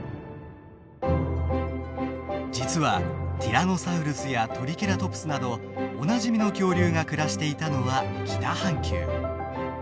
実はティラノサウルスやトリケラトプスなどおなじみの恐竜が暮らしていたのは北半球。